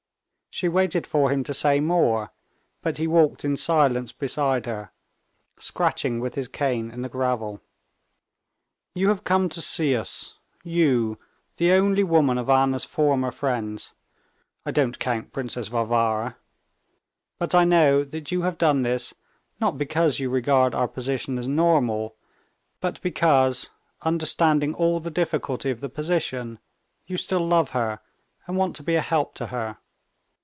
She waited for him to say more, but he walked in silence beside her, scratching with his cane in the gravel. "You have come to see us, you, the only woman of Anna's former friends—I don't count Princess Varvara—but I know that you have done this not because you regard our position as normal, but because, understanding all the difficulty of the position, you still love her and want to be a help to her.